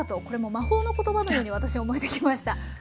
これもう魔法の言葉のように私思えてきました。